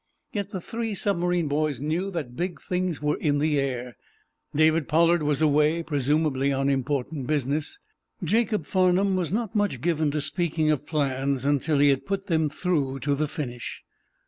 Yet the three submarine boys knew that big things were in the air. David Pollard was away, presumably on important business. Jacob Farnum was not much given to speaking of plans until he had put them through to the finish.